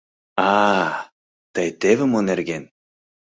— А-а, тый теве мо нерген...